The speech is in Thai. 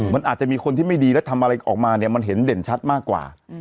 มันอาจจะมีคนที่ไม่ดีและทำอะไรออกมาเนี่ยมันเห็นเด่นชัดมากกว่า